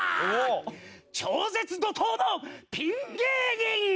超絶怒濤のピン芸人！